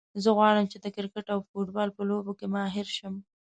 زه غواړم چې د کرکټ او فوټبال په لوبو کې ماهر شم